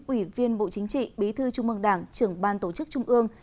ủy viên bộ chính trị bí thư trung mương đảng trưởng ban tổ chức trung ương